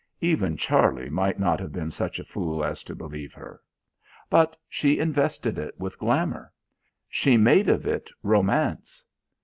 Even Charlie might not have been such a fool as to believe her. But she invested it with glamour; she made of it romance.